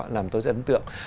làm tôi rất ấn tượng